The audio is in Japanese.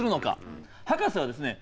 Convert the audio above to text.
博士はですね